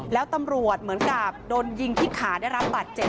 แล้วตำรวจเหมือนกับโดนยิงที่ขาได้รับบาดเจ็บ